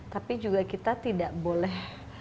tapi juga kita tidak boleh